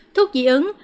thuốc dị ứng